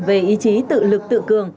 về ý chí tự lực tự cường